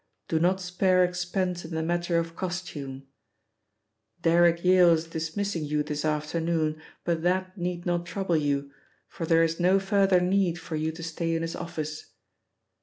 Do not spare expense in the matter of costume. Derrick Yale is dismissing you this afternoon, but that need not trouble you, for there is no further need for you to stay in his office.